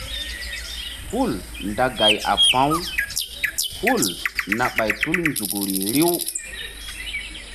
Hul nda gay a pa̧ u hul na ɓay tul nzukri riw.